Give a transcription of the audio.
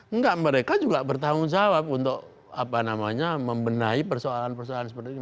enggak mereka juga bertanggung jawab untuk membenahi persoalan persoalan seperti ini